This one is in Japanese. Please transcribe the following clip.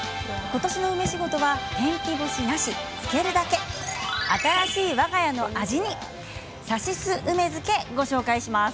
ことしの梅仕事は天日干しなし、漬けるだけ新しいわが家の味にさしす梅漬けをご紹介します。